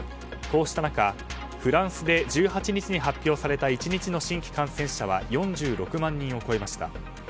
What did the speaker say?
こうした中、フランスで１８日に発表された１日の新規感染者は４６万人を超えました。